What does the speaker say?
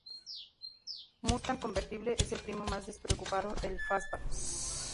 Mustang convertible es el primo más despreocupado del fastback.